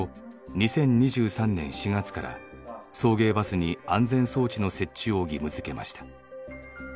２０２３年４月から送迎バスに安全装置の設置を義務づけました。